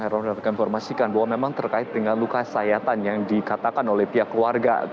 saya mendapatkan informasikan bahwa memang terkait dengan luka sayatan yang dikatakan oleh pihak keluarga